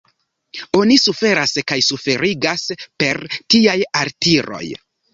Oni suferas kaj suferigas per tiaj altiroj.